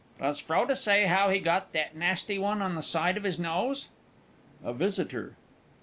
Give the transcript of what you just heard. Does Froude say how he got that nasty one on the side of his nose? A VISITOR.